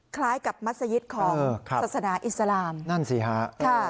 คล้ายกับมัศยิตของศาสนาอิสลามนั่นสิฮะค่ะ